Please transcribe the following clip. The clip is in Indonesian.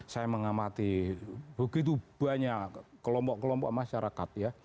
saya mengamati begitu banyak kelompok kelompok masyarakat ya